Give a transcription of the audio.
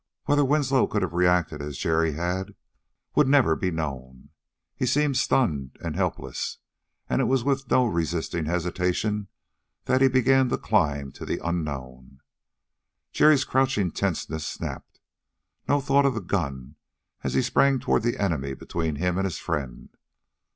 Whether Winslow could have reacted as Jerry had would never be known. He seemed stunned and helpless, and it was with no resisting hesitation that he began the climb to the unknown. Jerry's crouching tenseness snapped. No thought of the gun as he sprang toward the enemy between him and his friend.